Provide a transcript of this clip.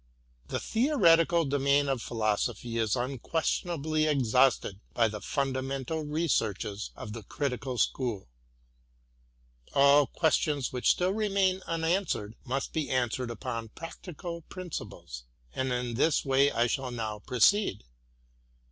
The theoretical domain of philosophy is unquestionably exhausted by the fundamental researches of the Critical School : all questions which still remain unanswered, must be answered upon practical principles, — and in this way I shall now proceed.